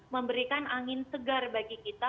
memberikan angin segar bagi kita